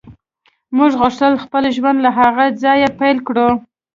موږ غوښتل خپل ژوند له هغه ځایه پیل کړو